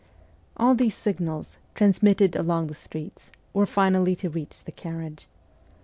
All these signals, transmitted along the streets, were finally to reach the carriage.